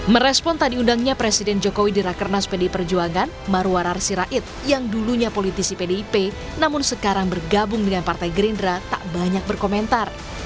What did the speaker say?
merespon tadi undangnya presiden jokowi di rakernas pdi perjuangan marwarar sirait yang dulunya politisi pdip namun sekarang bergabung dengan partai gerindra tak banyak berkomentar